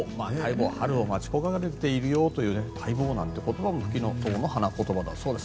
春を待ち焦がれているよという待望なんていう言葉もフキノトウの花言葉だそうです。